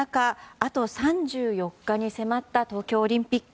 あと３４日に迫った東京オリンピック。